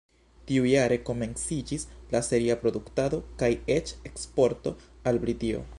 Tiujare komenciĝis la seria produktado kaj eĉ eksporto al Britio.